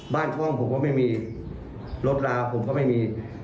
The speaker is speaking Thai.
บ้านช่องผมก็ไม่มีรถลาผมก็ไม่มี